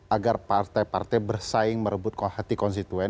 agar partai partai bersaing merebut hati konstituen